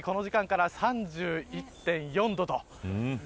すでにこの時間から３１．４度と。